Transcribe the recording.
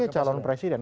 sebagai calon presiden